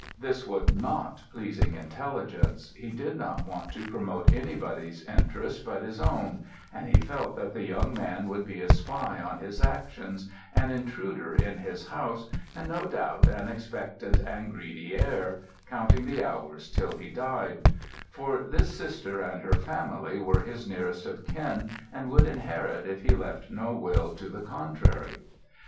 "This was not pleasing intelligence; he did not want to promote any body's interest but his own, and he felt that the young man would be a spy on his actions, an intruder in his house, and no doubt an expectant and greedy heir, counting the hours till he died; for this sister and her family were his nearest of kin, and would inherit if he left no will to the contrary.